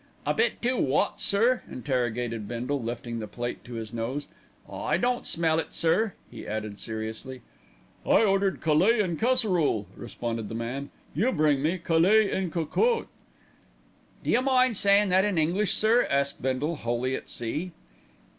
"A bit too wot, sir?" interrogated Bindle, lifting the plate to his nose. "I don't smell it, sir," he added seriously. "I ordered 'caille en casserole,'" responded the man. "You bring me 'caille en cocotte.'" "D'you mind saying that in English, sir?" asked Bindle, wholly at sea.